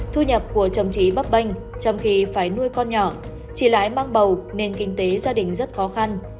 thu nhập của chồng chị bắp banh trong khi phải nuôi con nhỏ chị lại mang bầu nên kinh tế gia đình rất khó khăn